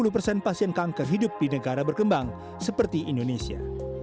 lima puluh persen pasien kanker hidup di negara berkembang seperti indonesia